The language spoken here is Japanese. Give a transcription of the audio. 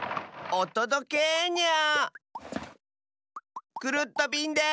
おとどけニャ！